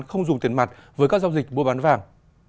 không dùng tiền mặt với các giao dịch mua bán vàng